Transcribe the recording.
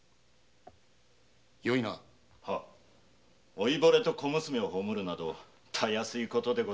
老いぼれと小娘を葬るなどたやすいことでございます。